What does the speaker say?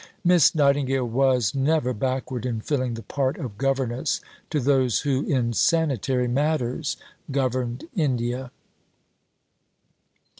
Miss Nightingale was never backward in filling the part of governess to those who in sanitary matters governed India.